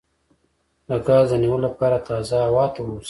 د ګاز د نیولو لپاره تازه هوا ته ووځئ